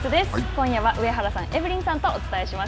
今夜は上原さん、エブリンさんとお伝えします。